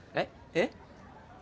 えっ？